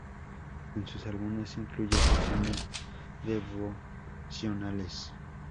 En sus álbumes incluye canciones devocionales